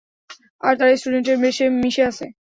আর তারা স্টুডেন্ট এর বেশে মিশে আছে।